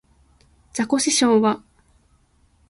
ザコシショウは